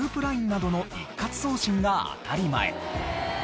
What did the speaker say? ＬＩＮＥなどの一括送信が当たり前。